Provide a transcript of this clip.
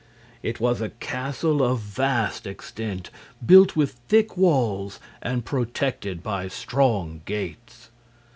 It was a castle of vast extent, built with thick walls and protected by strong gates.